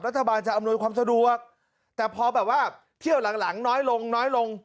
รัฐบาลจะอำนวยความสะดวกแต่พอแบบว่าเที่ยวหลังหลังน้อยลงน้อยลง